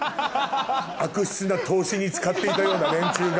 悪質な投資に使っていたような連中が。